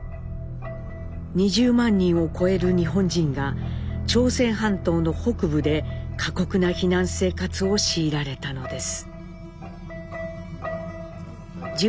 ２０万人を超える日本人が朝鮮半島の北部で過酷な避難生活を強いられたのです。